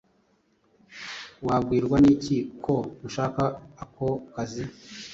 Wabwirwa n'iki ko nshaka ako kazi?